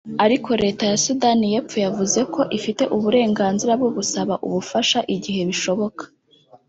Ariko leta ya Sudan y’epfo yavuze ko ifite uburenganzira bwo gusaba ubufasha igihe bishoboka